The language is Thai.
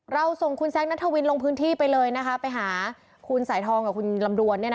เราส่งคุณแซคนัทวินลงพื้นที่ไปเลยไปหาคุณสายทองกับคุณลำดวน